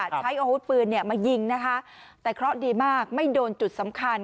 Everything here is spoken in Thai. ใช้อาวุธปืนมายิงนะคะแต่เคราะห์ดีมากไม่โดนจุดสำคัญ